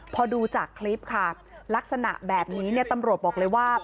พอดูจากคลิปค่ะลักษณะแบบนี้เนี่ยตำรวจบอกเลยว่า